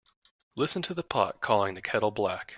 Listen to the pot calling the kettle black.